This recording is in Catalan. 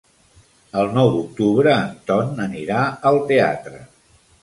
El nou d'octubre en Ton anirà al teatre.